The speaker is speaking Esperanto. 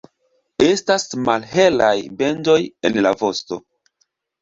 Estas malhelaj bendoj en la vosto.